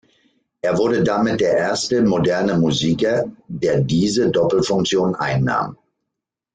Er wurde damit der erste moderne Musiker, der diese Doppelfunktion einnahm.